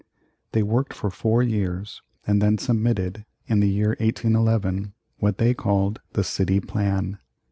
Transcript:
They worked for four years and then submitted, in the year 1811, what they called the City Plan.